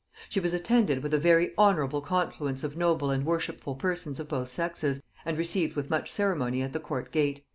She was attended with a very honorable confluence of noble and worshipful persons of both sexes, and received with much ceremony at the court gate."